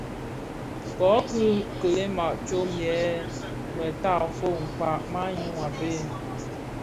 Kōki kilènga tsom yè mutafog kpag manyu a bhëg.